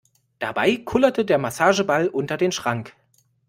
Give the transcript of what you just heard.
Dabei kullerte der Massageball unter den Schrank.